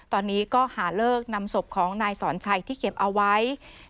ตอนนี้ก็หาเลิกนำศพของนายสอนชัยที่เก็บเอาไว้